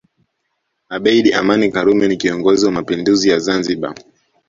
Abeid Amani Karume ni kiongozi wa Mapinduzi ya Zanzibar